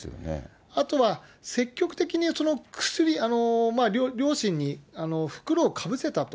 あとは積極的にその薬、両親に袋をかぶせたと。